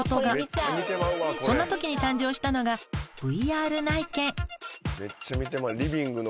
そんなときに誕生したのがＶＲ内見。